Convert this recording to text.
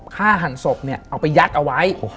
ฆ่าหันศพเอาไปยัดเอาไว้